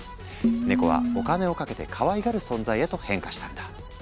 ネコはお金をかけてかわいがる存在へと変化したんだ。